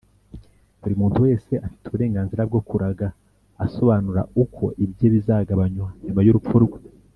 buri muntu wese afite uburenganzira bwo kuraga asobanura uko ibye bizagabanywa nyuma y’urupfu rwe.